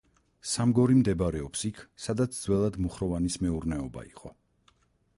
სამგორი მდებარეობს იქ, სადაც ძველად მუხროვანის მეურნეობა იყო.